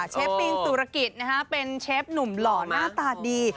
ปินสุรกิจนะฮะเป็นเชฟหนุ่มหล่อหน้าตาดี